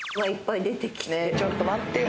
ねぇちょっと待ってよ。